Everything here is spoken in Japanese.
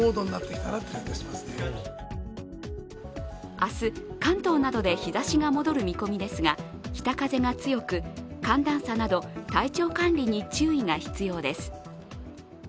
明日、関東などで日ざしが戻る見込みですが北風が強く寒暖差など体調管理に注意が必要です。